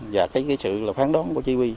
và cái sự là phán đón của chỉ huy